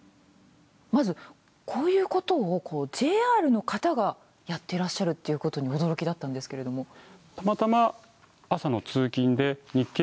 まずこういうことをＪＲの方がやってらっしゃるっていうことに驚きだったんですけれども。